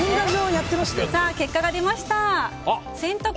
結果が出ました。